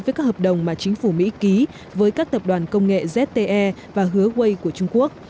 với các hợp đồng mà chính phủ mỹ ký với các tập đoàn công nghệ zte và huawei của trung quốc